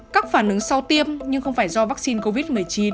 các phản ứng sau tiêm nhưng không phải do vaccine covid một mươi chín